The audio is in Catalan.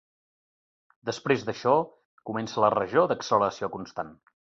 Després d'això, comença la regió d'acceleració constant.